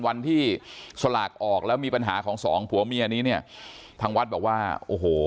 วันที่สลากออกแล้วมีปัญหาของสองผัวเมียนี้เนี่ยทางวัดบอกว่าโอ้โห